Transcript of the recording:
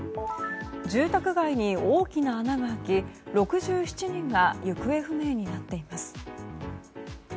住宅街に大きな穴が開き６７人が行方不明になっています。